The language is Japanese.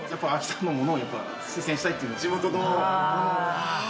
地元の。